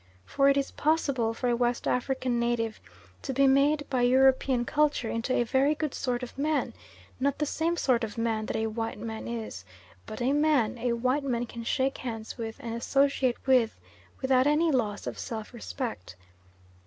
For it is possible for a West African native to be made by European culture into a very good sort of man, not the same sort of man that a white man is, but a man a white man can shake hands with and associate with without any loss of self respect.